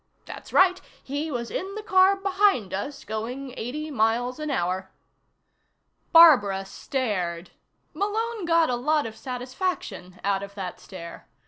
That's right; he was in the car behind us, going eighty miles an hour." Barbara stared. Malone got a lot of satisfaction out of that stare.